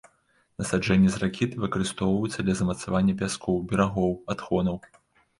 Насаджэнні з ракіты выкарыстоўваюцца для замацавання пяскоў, берагоў, адхонаў.